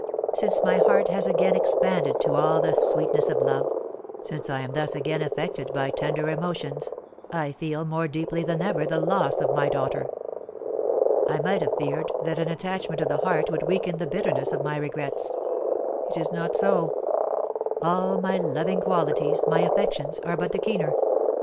Since my heart has again expanded to all the sweetness of love, since I am thus again affected by tender emotions, I feel more deeply than ever the loss of my daughter. I might have feared that an attachment of the heart would weaken the bitterness of my regrets. It is not so; all my loving qualities my affections are but the keener.